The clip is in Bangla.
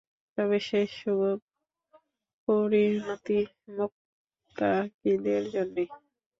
তবে শেষ শুভ পরিণতি মুত্তাকীদের জন্যেই।